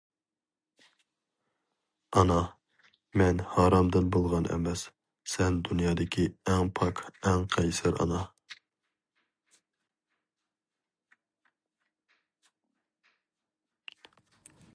ئانا، مەن ھارامدىن بولغان ئەمەس، سەن دۇنيادىكى ئەڭ پاك، ئەڭ قەيسەر ئانا.